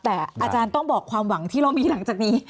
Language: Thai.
แต่อาจารย์ต้องบอกความหวังที่เรามีหลังจากนี้